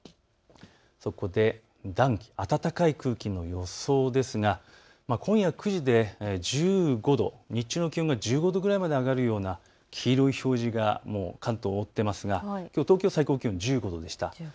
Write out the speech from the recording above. そこで暖気、暖かい空気の予想ですが今夜９時で１５度、日中の気温が１５度くらいまで上がるような黄色い表示が関東を覆っていますが東京は最高気温１５度でした。